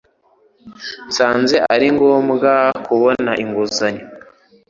Nasanze ari ngombwa kubona inguzanyo